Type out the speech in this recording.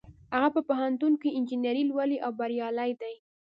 هغه په پوهنتون کې انجینري لولي او بریالۍ ده